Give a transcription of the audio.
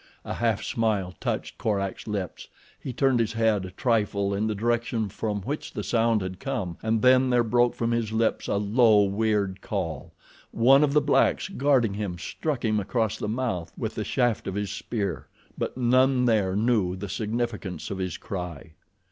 A half smile touched Korak's lips. He turned his head a trifle in the direction from which the sound had come and then there broke from his lips, a low, weird call. One of the blacks guarding him struck him across the mouth with the haft of his spear; but none there knew the significance of his cry.